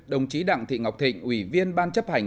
đồng chí đặng thị ngọc thịnh ủy viên ban chấp hành